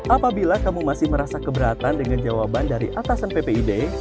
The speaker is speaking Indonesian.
apabila kamu masih merasa keberatan dengan jawaban dari atasan ppid